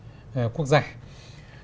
tự động lực lượng của chúng ta